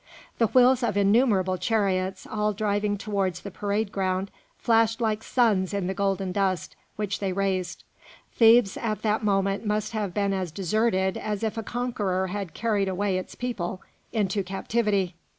The wheels of innumerable chariots, all driving towards the parade ground, flashed like suns in the golden dust which they raised. Thebes at that moment must have been as deserted as if a conqueror had carried away its people into captivity.